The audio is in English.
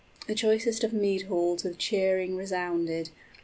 The choicest of mead halls with cheering resounded.